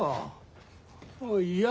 いや。